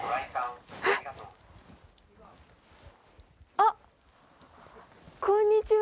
あっこんにちは。